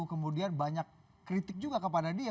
kemudian banyak kritik juga kepada dia